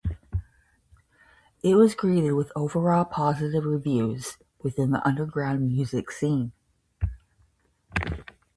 It was greeted with overall positive reviews within the underground music scene.